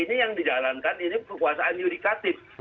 ini yang dijalankan ini kekuasaan yudikatif